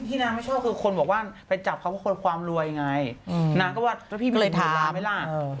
ที่นางไม่ชอบคือคนบอกว่าไปจับเขาเพราะความรวยไงนางก็ว่าพี่มีเวลาไหมล่ะ